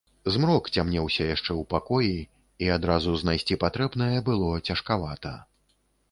Змрок цямнеўся яшчэ ў пакоі, і адразу знайсці патрэбнае было цяжкавата.